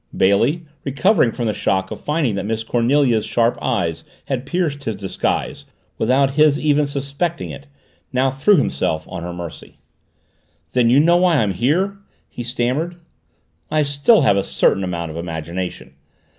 Bailey, recovering from the shock of finding that Miss Cornelia's sharp eyes had pierced his disguise without his even suspecting it, now threw himself on her mercy. "Then you know why I'm here?" he stammered. "I still have a certain amount of imagination!